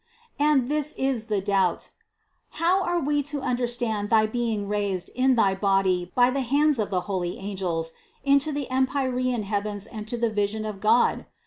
338. And this is the doubt : How are we to understand thy being raised in thy body by the hands of the holy angels into the empyrean heavens and to the vision of God